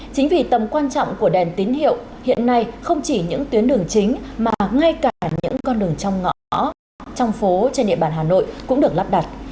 chính vì tầm quan trọng của đèn tín hiệu hiện nay không chỉ những tuyến đường chính mà ngay cả những con đường trong ngõ trong phố trên địa bàn hà nội cũng được lắp đặt